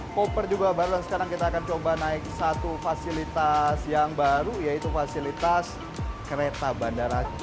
koper juga baru sekarang kita akan coba naik satu fasilitas yang baru yaitu fasilitas kereta bandara